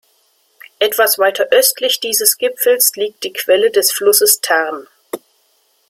Etwas weiter östlich dieses Gipfels liegt die Quelle des Flusses Tarn.